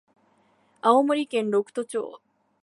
青森県六戸町